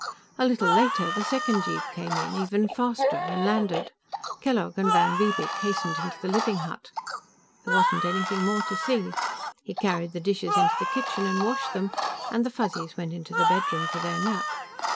A little later, the second jeep came in, even faster, and landed; Kellogg and van Riebeek hastened into the living hut. There wasn't anything more to see. He carried the dishes into the kitchen and washed them, and the Fuzzies went into the bedroom for their nap.